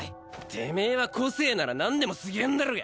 てめは個性なら何でも凄ェんだろが！